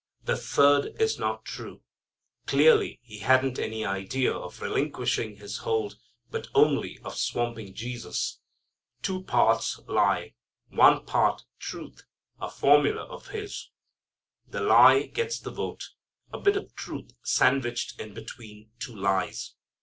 The third is not true. Clearly he hadn't any idea of relinquishing his hold, but only of swamping Jesus. Two parts lie: one part truth a favorite formula of his. The lie gets the vote. A bit of truth sandwiched in between two lies.